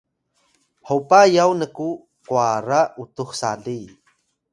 hopa yaw nku kwara utux sali